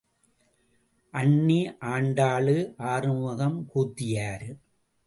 அண்ணி ஆண்டாளு, ஆறுமுகம் கூத்தியாரு.